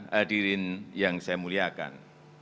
hadirin yang saya muliakan